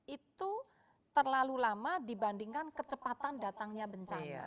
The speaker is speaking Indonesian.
itu terlalu lama dibandingkan kecepatan datangnya bencana